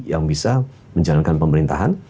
yang bisa menjalankan pemerintahan